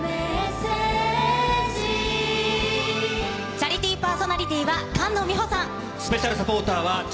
チャリティーパーソナリティーは菅野美穂さん。